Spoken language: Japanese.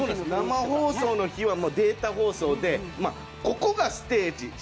生放送の日はデータ放送で、ここがステージ。